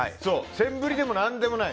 センブリでも何でもない。